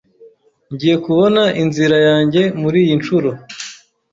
Ngiye kubona inzira yanjye muriyi nshuro.